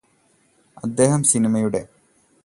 അദ്ദേഹം സിനിമയുടെ